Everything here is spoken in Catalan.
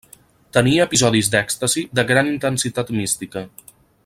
Tenia episodis d'èxtasi de gran intensitat mística.